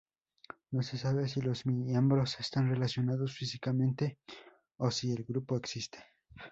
No se sabe si los miembros están relacionados físicamente, o si el grupo existe.